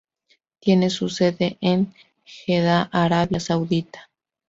Tiene su sede en Jeddah, Arabia Saudita.